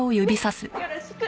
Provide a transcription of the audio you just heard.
よろしく！